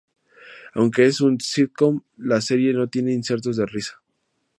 Aunque es un sitcom, la serie no tiene insertos de risa.